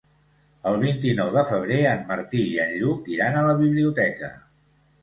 El vint-i-nou de febrer en Martí i en Lluc iran a la biblioteca.